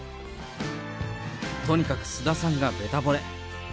とにかく菅田さんがべたぼれ。